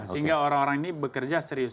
sehingga orang orang ini bekerja serius